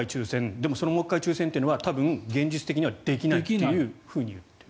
でも、もう１回抽選というのは多分、現実的にはできないと言っている。